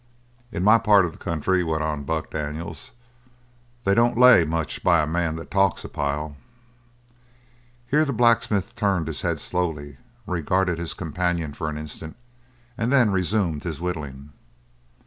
"In my part of the country," went on Buck Daniels, "they don't lay much by a man that talks a pile." Here the blacksmith turned his head slowly, regarded his companion for an instant, and then resumed his whittling.